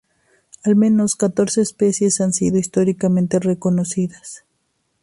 Al menos catorce especies han sido históricamente reconocidas.